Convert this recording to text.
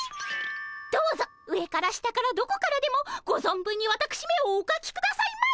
どうぞ上から下からどこからでもご存分にわたくしめをおかきくださいま。